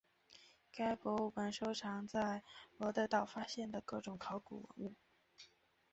该博物馆收藏在罗得岛发现的各种考古文物。